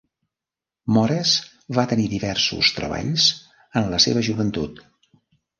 Mores va tenir diversos treballs en la seva joventut.